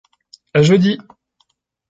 A jeudi !